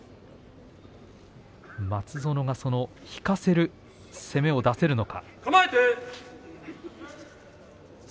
松園が引かせる攻めを出せるのか。